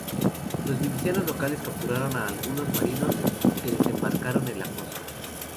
Los milicianos locales capturaron a algunos marinos que desembarcaron en la costa.